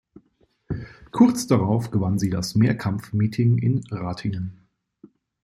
Kurz darauf gewann sie das Mehrkampf-Meeting in Ratingen.